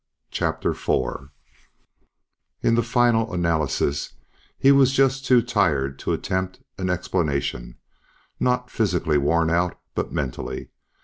CHAPTER FOUR In the final analysis, he was just too tired to attempt an explanation not physically worn out, but mentally.